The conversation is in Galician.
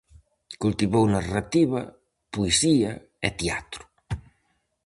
Cultivou narrativa, poesía e teatro.